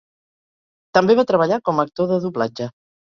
També va treballar com a actor de doblatge.